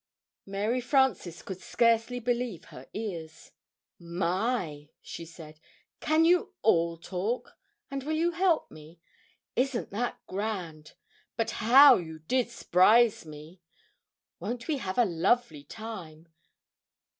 Mary Frances could scarcely believe her ears. "My," she said, "can you all talk? and will you help me? Isn't that grand! But how you did s'prise me! Won't we have a lovely time!"